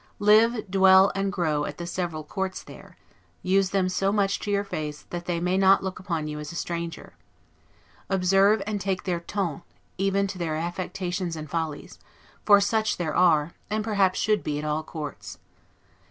Live, dwell, and grow at the several courts there; use them so much to your face, that they may not look upon you as a stranger. Observe, and take their 'ton', even to their affectations and follies; for such there are, and perhaps should be, at all courts.